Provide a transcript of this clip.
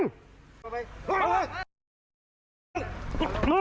ลงไว้